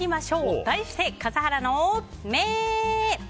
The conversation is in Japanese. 題して笠原の眼！